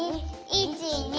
１２！